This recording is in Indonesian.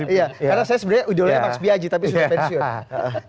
karena saya sebenarnya uji oleh pak sbiaji tapi sudah pensiun